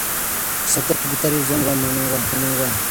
Su actual propietario es don Iván Paniagua.